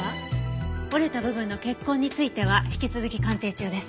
折れた部分の血痕については引き続き鑑定中です。